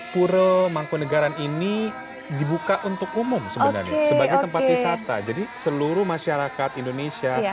pura mangkunegaran ini dibuka untuk umum sebenarnya sebagai tempat wisata jadi seluruh masyarakat indonesia